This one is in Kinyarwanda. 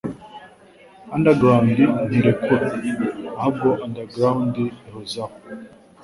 Underground ntirekura ahubwo underground ihozaho